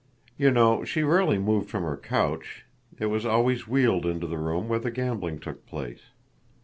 You know, she rarely moved from her couch. It was always wheeled into the room where the gambling took place."